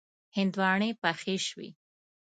هندواڼی پخې شوې.